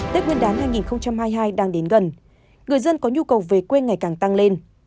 tết nguyên đán hai nghìn hai mươi hai đang đến gần người dân có nhu cầu về quê ngày càng tăng lên